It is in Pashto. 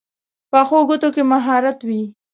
پخو ګوتو کې مهارت وي